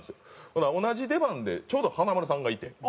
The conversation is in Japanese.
ほんなら同じ出番でちょうど華丸さんがいて。